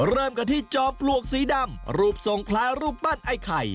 เริ่มกันที่จอมปลวกสีดำรูปทรงคล้ายรูปปั้นไอ้ไข่